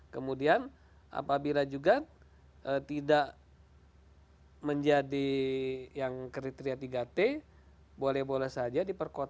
kemudian apabila juga tidak menjadi yang kriteria tiga t boleh boleh saja diperkuat